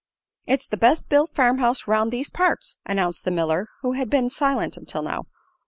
"It's the best built farm house 'round thest parts," announced the miller, who had been silent until now.